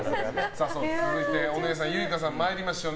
続いて、お姉さんユイカさん参りましょう。